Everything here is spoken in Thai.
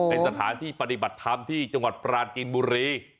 เป็นสถานที่ปฏิบัติธรรมที่จังหวัดปราจีนบุรี